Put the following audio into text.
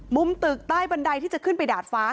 มุมตึกใต้บันไดที่จะขึ้นไปดาดฟ้า